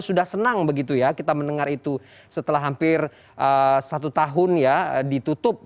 sudah senang begitu ya kita mendengar itu setelah hampir satu tahun ya ditutup